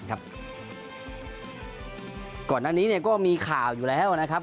ก่อนหน้านี้ก็มีข่าวอยู่แล้วนะครับ